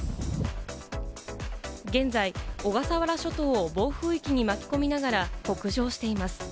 現在、小笠原諸島を暴風域に巻き込みながら北上しています。